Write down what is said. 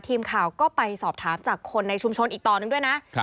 ทีมข่าวก็ไปสอบถามจากคนในชุมชนอีกต่อหนึ่งด้วยนะ